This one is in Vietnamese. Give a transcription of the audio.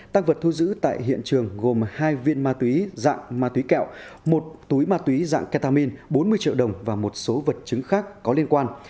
tăng vật thu giữ tại hiện trường gồm hai viên ma túy dạng ma túy kẹo một túi ma túy dạng ketamin bốn mươi triệu đồng và một số vật chứng khác có liên quan